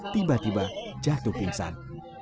tiba tiba jatuh pingsan